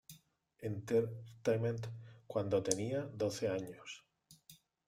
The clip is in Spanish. Entertainment cuando tenía doce años.